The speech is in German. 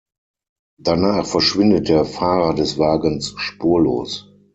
Danach verschwindet der Fahrer des Wagens spurlos.